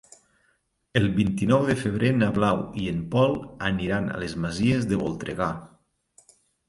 El vint-i-nou de febrer na Blau i en Pol aniran a les Masies de Voltregà.